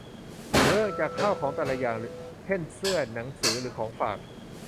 เนื่องจากข้าวของแต่ละอย่าง เช่น เสื้อ หนังสือ หรือของฝาก